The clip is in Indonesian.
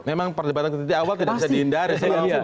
memang perdebatan ke titik awal tidak bisa dihindari